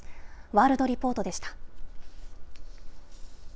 ワールドリポートでした。